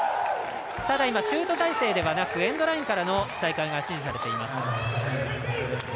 ただ、シュート体勢ではなくエンドラインからの再開が指示されています。